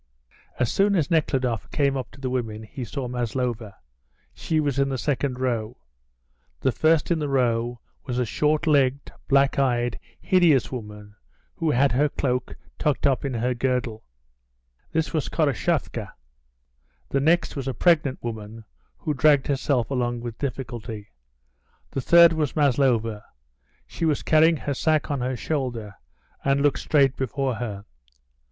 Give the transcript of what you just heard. As soon as Nekhludoff came up to the women he saw Maslova; she was in the second row. The first in the row was a short legged, black eyed, hideous woman, who had her cloak tucked up in her girdle. This was Koroshavka. The next was a pregnant woman, who dragged herself along with difficulty. The third was Maslova; she was carrying her sack on her shoulder, and looking straight before her.